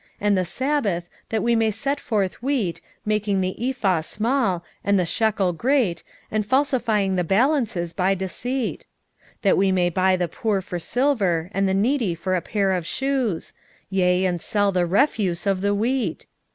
and the sabbath, that we may set forth wheat, making the ephah small, and the shekel great, and falsifying the balances by deceit? 8:6 That we may buy the poor for silver, and the needy for a pair of shoes; yea, and sell the refuse of the wheat?